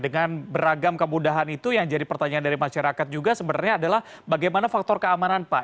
dengan beragam kemudahan itu yang jadi pertanyaan dari masyarakat juga sebenarnya adalah bagaimana faktor keamanan pak